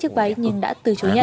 trước bài hát của con